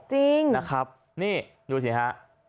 จริงนะครับนี่ดูสิฮะ